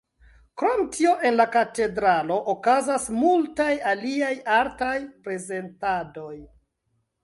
Krom tio en la katedralo okazas multaj aliaj artaj prezentadoj.